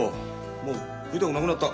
もう食いたくなくなった。